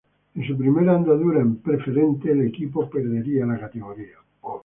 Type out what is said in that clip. En su primera andadura en Preferente el equipo perdería la categoría.